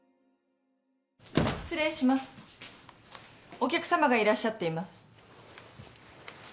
お客さまがいらっしゃっています。